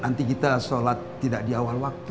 nanti kita sholat tidak di awal waktu